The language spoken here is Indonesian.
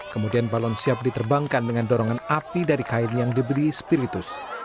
kemudian balon siap diterbangkan dengan dorongan api dari kain yang diberi spilitus